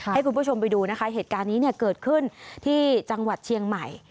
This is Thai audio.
ให้คุณผู้ชมไปดูนะคะเหตุการณ์นี้เนี่ยเกิดขึ้นที่จังหวัดเชียงใหม่